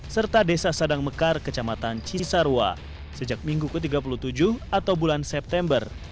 serta desa sadangmekar kecamatan cisarwa sejak minggu ke tiga puluh tujuh atau bulan september